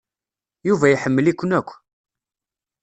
Yuba iḥemmel-iken akk.